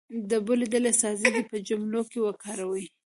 د بلې ډلې استازی دې په جملو کې وکاروي.